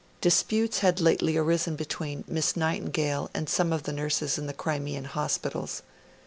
Disputes had lately arisen between Miss Nightingale and some of the nurses in the Crimean hospitals.